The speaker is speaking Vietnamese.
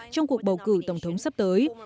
trong cuộc bầu cử tổng thống sắp tới